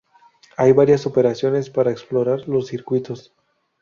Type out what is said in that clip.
Hay varias operaciones para explorar los circuitos.